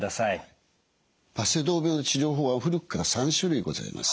バセドウ病の治療法は古くから３種類ございます。